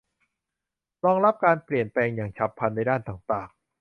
รองรับการเปลี่ยนแปลงอย่างฉับพลันในด้านต่างต่าง